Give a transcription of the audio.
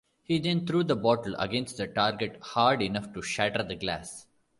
He then threw the bottle against the target hard enough to shatter the glass.